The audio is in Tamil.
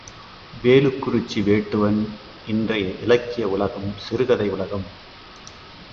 வேலுக்குரிச்சி வேட்டுவன் இன்றைய இலக்கிய உலகம் சிறுகதை உலகம்.